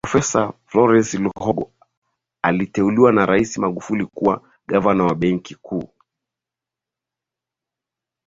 profesa florence Luogo aliteuli na raisi magufuli kuwa gavana wa benki kuu